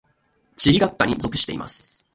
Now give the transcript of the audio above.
地理学科に属しています。